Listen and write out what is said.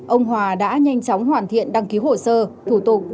ông hòa đã nhanh chóng hoàn thiện đăng ký hồ sơ thủ tục